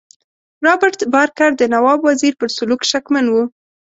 رابرټ بارکر د نواب وزیر پر سلوک شکمن وو.